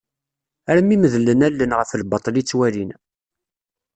Armi medlen allen ɣef lbaṭel i ttwalin.